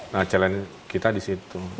nah challenge kita di situ